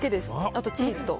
あとチーズと。